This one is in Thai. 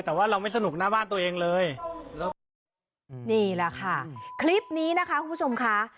แต่ว่าเราไม่สนุกหน้าบ้านตัวเองเลยแล้วก็นี่แหละค่ะคลิปนี้นะคะคุณผู้ชมค่ะ